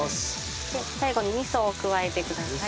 で最後に味噌を加えてください。